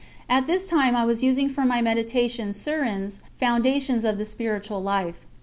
At this time I was using for my meditations Surin's _Foundations of the Spiritual life.